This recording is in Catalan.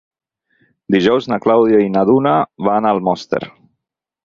Dijous na Clàudia i na Duna van a Almoster.